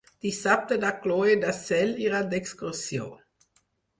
Dissabte na Cloè i na Cel iran d'excursió.